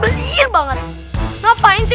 aduh terima kasih